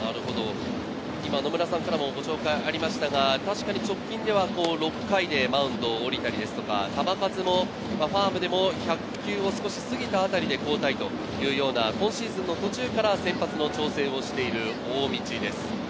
今、野村さんからもご紹介ありましたが、直近は６回でマウンドを降りたケースとか、球数もファームでも１００球を少し過ぎたあたりで交代というような、今シーズンの途中から先発の調整をしている大道です。